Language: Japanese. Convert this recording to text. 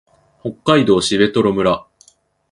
北海道蘂取村